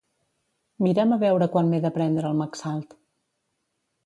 Mira'm a veure quan m'he de prendre el Maxalt.